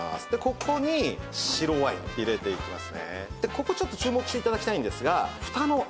ここに白ワイン入れていきますね。